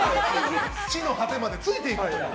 地の果てまでついていくと。